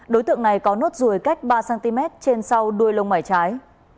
đối tượng này có nốt ruồi cách ba cm trên sau đuôi lông mải trái